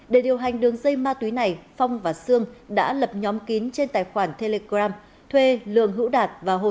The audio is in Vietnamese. để điều hành đường dây ma túy này phong và sương đã lập nhóm kín trên tài khoản telegram thuê lường hữu đạt và hồ